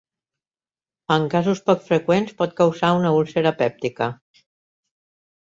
En casos poc freqüents pot causar una úlcera pèptica.